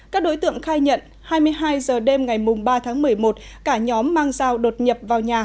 các đối tượng khai nhận hai mươi hai giờ đêm ngày ba tháng một mươi một cả nhóm mang dao đột nhập vào nhà